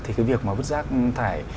thì cái việc mà vứt rác thải